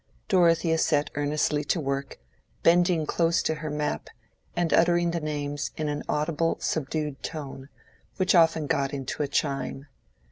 Dorothea set earnestly to work, bending close to her map, and uttering the names in an audible, subdued tone, which often got into a chime.